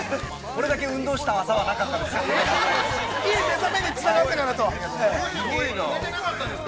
◆これだけ運動した朝はなかったです。